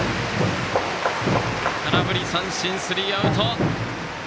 空振り三振、スリーアウト！